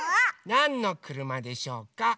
なんのくるまでしょうか？